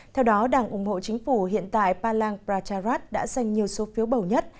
theo đó đảng ủng hộ chính phủ hiện tại palang pracharat đã dành nhiều số phiếu bầu nhất